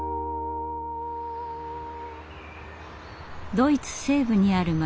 ドイツ西部にある町